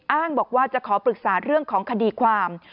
อ้างบอกว่าจะขอปรึกษาเรื่องของคดีความ